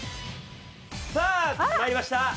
さあ始まりました！